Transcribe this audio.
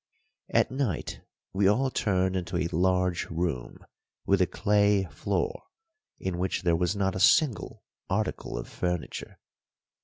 At night we all turned into a large room with a clay floor, in which there was not a single article of furniture.